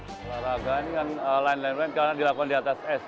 olahraga ini kan lain lain karena dilakukan di atas es